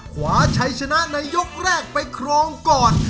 ขวาชัยชนะในยกแรกไปครองก่อน